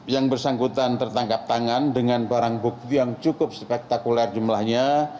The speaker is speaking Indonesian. yang bersangkutan tertangkap tangan dengan barang bukti yang cukup spektakuler jumlahnya